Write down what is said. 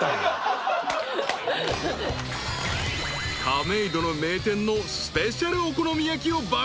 ［亀戸の名店のスペシャルお好み焼きを爆食い］